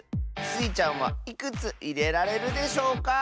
スイちゃんはいくついれられるでしょうか？